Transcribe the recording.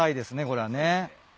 これはね。